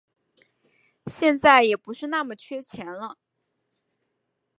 现在也不是那么缺钱了